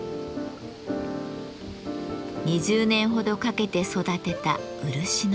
２０年ほどかけて育てた漆の木。